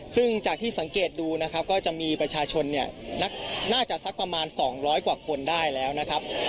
ซึ่งจากที่สังเกตดูนะครับก็จะมีประชาชนเนี่ยน่าจะสักประมาณ๒๐๐กว่าคนได้แล้วนะครับ